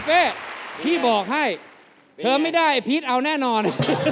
เลยครับพี่บอกให้เธอไม่ได้ไอ้ภีร์ด่าวแน่นอน